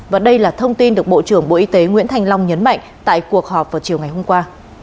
và đây là thông tin được bộ trưởng bộ y tế nguyễn thành long nhấn mạnh tại cuộc họp vào chiều ngày hôm qua